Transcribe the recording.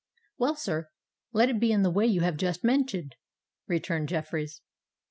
"Well, sir—let it be in the way you have just mentioned," returned Jeffreys.